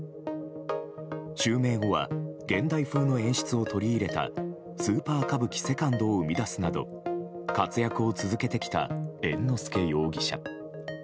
襲名後は現代風の演出を取り入れた「スーパー歌舞伎セカンド」を生み出すなど活躍を続けてきた猿之助容疑者。